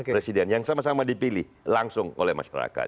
presiden yang sama sama dipilih langsung oleh masyarakat